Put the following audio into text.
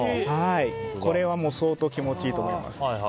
これは相当気持ちいいと思います。